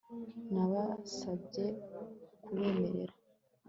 Nabasabye kubemerera